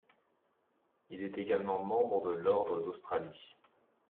Il est également membre de l'Ordre d'Australie.